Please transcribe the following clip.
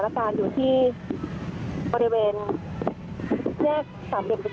เพราะตอนนี้ก็ไม่มีเวลาให้เข้าไปที่นี่